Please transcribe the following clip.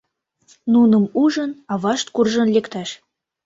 Нуным ужын, авашт куржын лектеш: